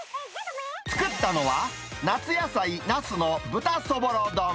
作ったのは、夏野菜、ナスの豚そぼろ丼。